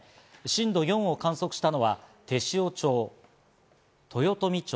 震度４を観測したのが、天塩町、豊富町。